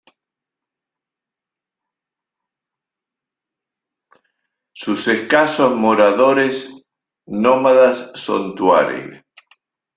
Sus escasos moradores nómadas son tuareg.